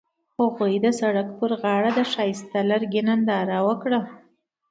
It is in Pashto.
هغوی د سړک پر غاړه د ښایسته لرګی ننداره وکړه.